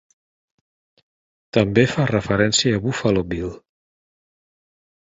També fa referència a Buffalo Bill.